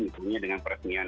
misalnya dengan peresmian